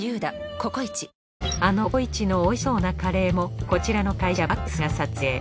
あのココイチの美味しそうなカレーもこちらの会社バックスが撮影。